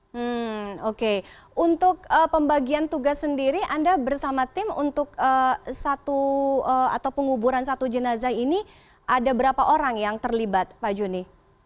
hmm oke untuk pembagian tugas sendiri anda bersama tim untuk satu atau penguburan satu jenazah ini ada berapa orang yang terlibat pak juni